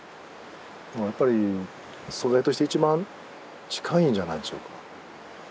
やっぱり素材として一番近いんじゃないでしょうか。